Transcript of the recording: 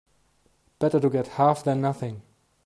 Better to get half than nothing.